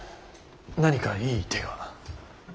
何かいい手が？